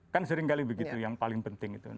kan sering kali begitu yang paling penting